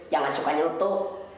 jangan suka nyeltuh